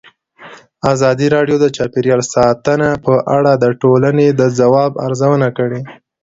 ازادي راډیو د چاپیریال ساتنه په اړه د ټولنې د ځواب ارزونه کړې.